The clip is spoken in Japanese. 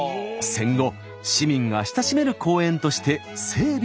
戦後市民が親しめる公園として整備されました。